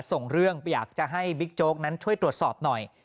ส่งเรื่องอยากจะให้บิ๊กโจ๊กนั้นช่วยตรวจสอบหน่อย